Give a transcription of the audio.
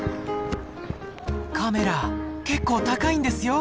カメラ結構高いんですよ！